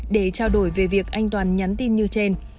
để trao đổi về việc anh toàn nhắn tin như trên